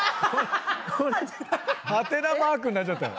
ハテナマークになっちゃった。